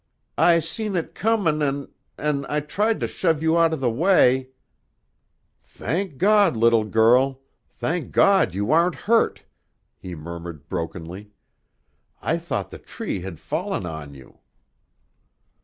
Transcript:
"I seen it comin', an' an' I tried to shove you out of the way " "Thank God, little girl! Thank God you aren't hurt!" he murmured brokenly. "I thought the tree had fallen on you!"